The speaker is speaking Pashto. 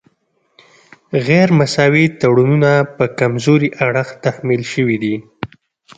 غیر مساوي تړونونه په کمزوري اړخ تحمیل شوي دي